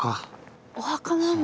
お墓なんだ。